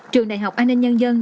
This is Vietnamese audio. trường đại học an ninh nhân dân